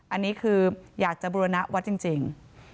อันนี้คืออยากจะบูรณวัดจริง